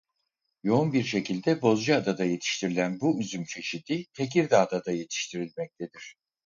Yoğun bir şekilde Bozcaada'da yetiştirilen bu üzüm çeşidi Tekirdağ'da da yetiştirilmektedir.